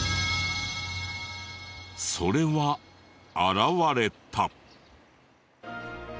それは現れた。